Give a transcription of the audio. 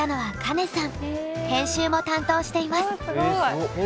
編集も担当しています。